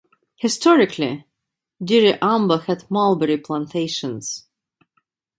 Historically, Diriamba had mulberry plantations.